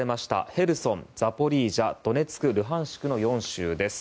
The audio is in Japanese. ヘルソン、ザポリージャドネツク、ルハンシクの４州です。